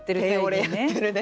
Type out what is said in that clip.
やってるね。